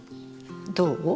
どう？